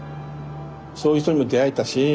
そういう人にも出会えたしま